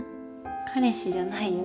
彼氏じゃないよ。